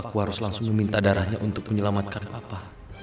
aku harus langsung meminta darahnya untuk menyelamatkan papa